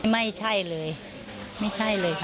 ไม่ใช่เลยไม่ใช่เลยค่ะ